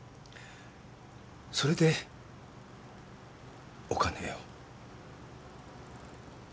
それでお金を。